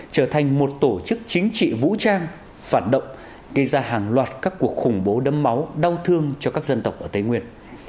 trở thành một tổ chức chính trị vũ trang phản động gây ra hàng loạt các cuộc khủng bố đấm máu đau thương cho các dân tộc ở tây nguyên